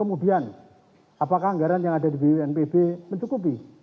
kemudian apakah anggaran yang ada di bnpb mencukupi